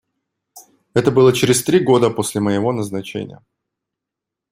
Это было через три года после моего назначения.